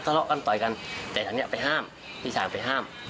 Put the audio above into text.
ทะเลาะกันต่อยกันแต่อันนี้ไปห้ามพี่ชายไปห้าม